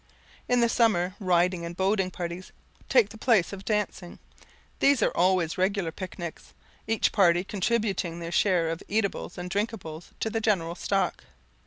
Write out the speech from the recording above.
In the summer, riding and boating parties take the place of dancing. These are always regular picnics, each party contributing their share of eatables and drinkables to the general stock.